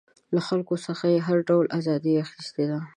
له خلکو څخه یې هر ډول ازادي اخیستې ده.